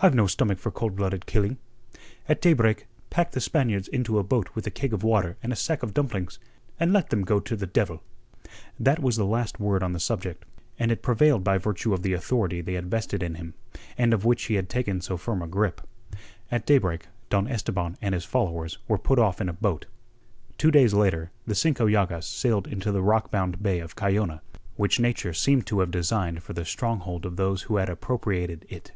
I've no stomach for cold blooded killing. At daybreak pack the Spaniards into a boat with a keg of water and a sack of dumplings, and let them go to the devil." That was his last word on the subject, and it prevailed by virtue of the authority they had vested in him, and of which he had taken so firm a grip. At daybreak Don Esteban and his followers were put off in a boat. Two days later, the Cinco Llagas sailed into the rock bound bay of Cayona, which Nature seemed to have designed for the stronghold of those who had appropriated it.